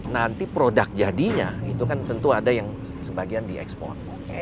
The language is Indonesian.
nanti produk jadinya itu kan tentu ada yang sebagian diekspor